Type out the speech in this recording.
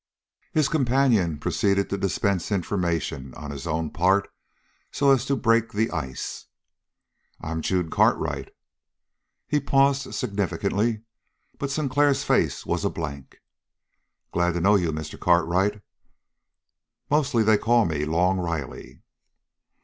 His companion proceeded to dispense information on his own part so as to break the ice. "I'm Jude Cartwright." He paused significantly, but Sinclair's face was a blank. "Glad to know you, Mr. Cartwright. Mostly they call me Long Riley."